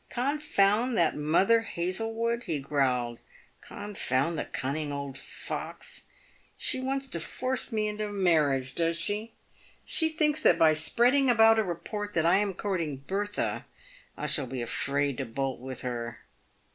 " Confound that Mother Hazle wood!" he growled — "confound the cunning old fox ! She wants to force me into a marriage, does she ? She thinks that by spreading about a report that I am courting Bertha, I shall be afraid to bolt with her.